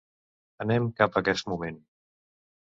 Anem cap a aquest moment.